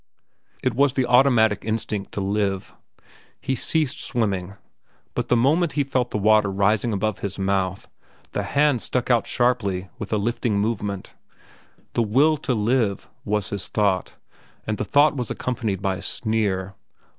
It was the automatic instinct to live. He ceased swimming, but the moment he felt the water rising above his mouth the hands struck out sharply with a lifting movement. The will to live, was his thought, and the thought was accompanied by a sneer.